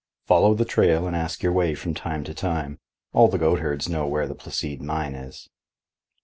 "Follow the trail and ask your way from time to time. All the goatherds know where the Placide mine is."